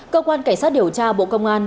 cơ quan cảnh sát điều tra bộ công an